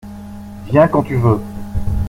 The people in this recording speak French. Viens quand tu veux.